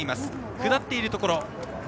下っているところ。